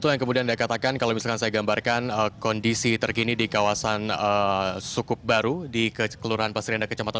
itu yang kemudian anda katakan kalau misalkan saya gambarkan kondisi terkini di kawasan sukup baru di kelurahan pasrenda kecamatan